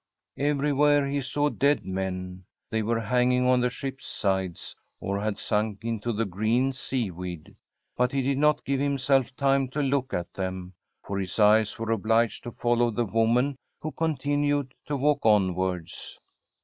Everjrwhere he saw dead men. They were hanging on the ships' sides, or had sunk into the green seaweed. But he did not give himself time to look at them, for his eyes were obliged to follow the woman, who continued to walk on wards.